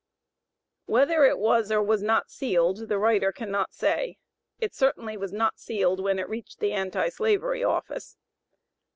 Whether it was or was not sealed, the writer cannot say, it certainly was not sealed when it reached the Anti Slavery office.